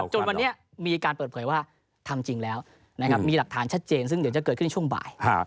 จนวันนี้มีการเปิดเผยว่าทำจริงแล้วนะครับมีหลักฐานชัดเจนซึ่งเดี๋ยวจะเกิดขึ้นในช่วงบ่าย